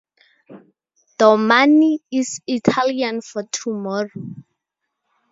"Domani" is Italian for "tomorrow".